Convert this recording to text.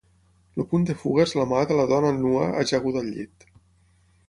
El punt de fuga és la mà de la dona nua ajaguda al llit.